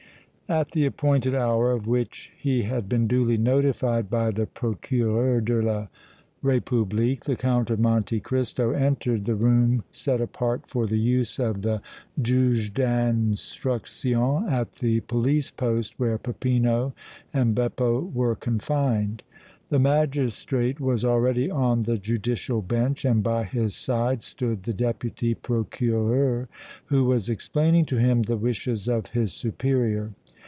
At the appointed hour, of which he had been duly notified by the Procureur de la République, the Count of Monte Cristo entered the room set apart for the use of the Juge d' Instruction at the police poste where Peppino and Beppo were confined. The magistrate was already on the judicial bench and by his side stood the Deputy Procureur, who was explaining to him the wishes of his superior.